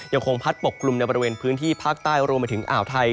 ยังคงพัดปกกลุ่มในบริเวณพื้นที่ภาคใต้รวมไปถึงอ่าวไทย